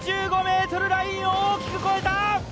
５５ｍラインを大きく超えた！